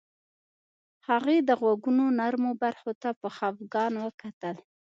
هغې د غوږونو نرمو برخو ته په خفګان وکتل